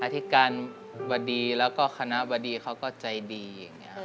อธิการบดีแล้วก็คณะบดีเขาก็ใจดี